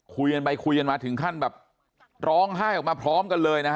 คุยกันไปคุยกันมาถึงขั้นแบบร้องไห้ออกมาพร้อมกันเลยนะฮะ